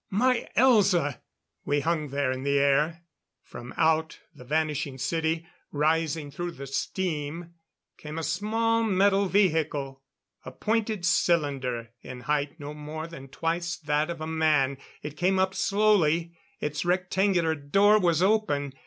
My Elza!" We hung there in the air. From out the vanishing city, rising through the steam came a small metal vehicle. A pointed cylinder, in height no more than twice that of a man. It came up slowly. Its rectangular door was open.